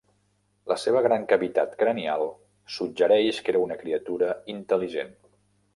La seva gran cavitat cranial suggereix que era una criatura intel·ligent.